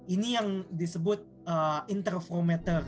ini yang disebut interferometer